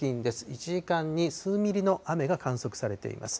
１時間に数ミリの雨が観測されています。